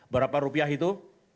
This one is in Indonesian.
berapa rupiah itu